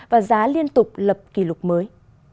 và giá liên tục lập kỷ lục mới